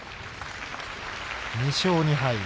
２勝２敗。